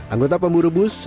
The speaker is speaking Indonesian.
anggota pemburu bus